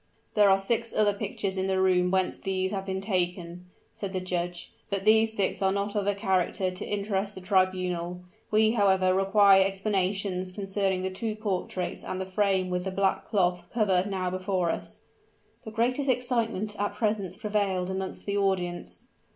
"There are six other pictures in the room whence these have been taken," said the judge; "but these six are not of a character to interest the tribunal. We however require explanations concerning the two portraits and the frame with the black cloth cover now before us." The greatest excitement at present prevailed amongst the audience.